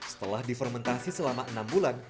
setelah difermentasi selama enam bulan